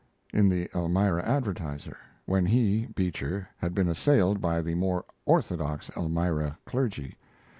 in the Elmira Advertiser, when he (Beecher) had been assailed by the more orthodox Elmira clergy.